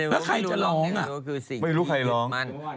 แล้วใครจะร้องอ่ะไม่รู้ใครร้อง